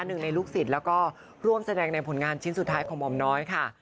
หนึ่งในลูกศิลป์และร่วมแสดงในผลงานชิ้นสุดท้ายของมนค่ะ